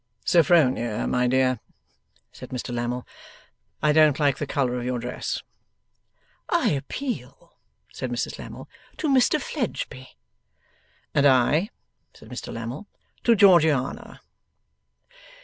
'Sophronia, my dear,' said Mr Lammle, 'I don't like the colour of your dress.' 'I appeal,' said Mrs Lammle, 'to Mr Fledgeby.' 'And I,' said Mr Lammle, 'to Georgiana.